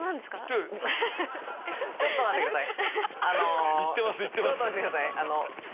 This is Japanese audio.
あのちょっと待ってください。